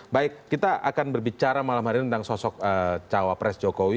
baik kita akan berbicara malam hari ini tentang sosok cawapres jokowi